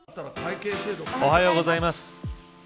おはようございます。